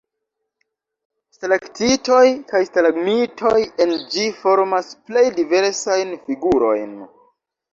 Stalaktitoj kaj stalagmitoj en ĝi formas plej diversajn figurojn.